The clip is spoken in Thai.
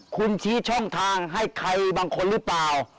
คุณชี้ช่องทางให้ใครบางคนหรือเปล่า